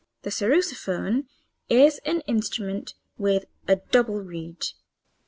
] The sarrusophone is an instrument with a double reed.